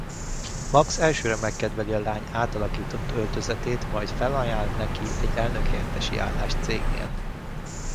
Max elsőre megkedveli a lány átalakított öltözetét majd felajánl neki egy elnökhelyettesi állást cégnél.